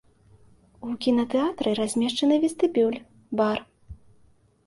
У кінатэатры размешчаны вестыбюль, бар.